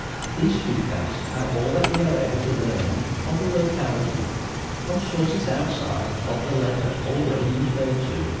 These two facts are all that we are able to learn of the locality from sources outside of the letter already referred to.